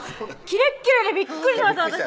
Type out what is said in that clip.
キレッキレでびっくりしました